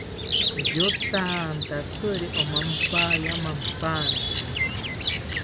Yotantatziri omampaya mampantzi